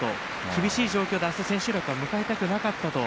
厳しい状況で千秋楽を迎えたくなかった。